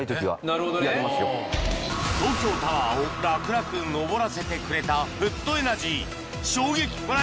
なるほどね東京タワーを楽々上らせてくれたフットエナジー